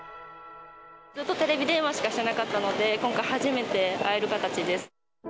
ずっとテレビ電話しかしてなかったので、今回、初めて会える形です。